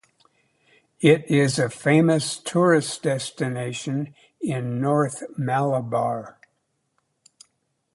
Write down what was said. It is a famous tourist destination in North Malabar.